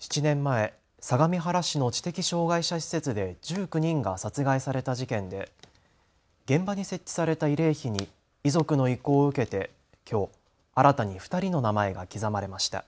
７年前、相模原市の知的障害者施設で１９人が殺害された事件で現場に設置された慰霊碑に遺族の意向を受けてきょう新たに２人の名前が刻まれました。